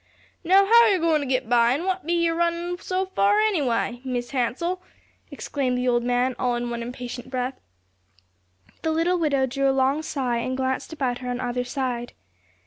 "Now how yer goin' ter git by, an' what be yer runnin' so fur anyway, Mis' Hansell?" exclaimed the old man, all in one impatient breath. The little widow drew a long sigh and glanced about her on either side.